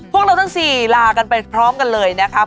พวกเราทั้ง๔ลากันไปพร้อมกันเลยนะคะ